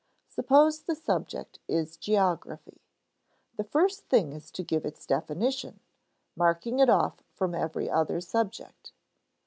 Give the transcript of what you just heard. Suppose the subject is geography. The first thing is to give its definition, marking it off from every other subject.